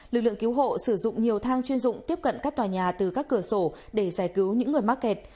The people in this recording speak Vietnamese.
lực lượng cứu hộ sử dụng nhiều thang chuyên dụng tiếp cận các tòa nhà từ các cửa sổ để giải cứu những người mắc kẹt